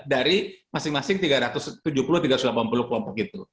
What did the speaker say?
dari masing masing tiga ratus tujuh puluh tiga ratus delapan puluh kelompok itu